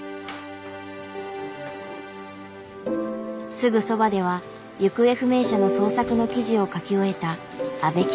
すぐそばでは行方不明者の捜索の記事を書き終えた阿部記者が。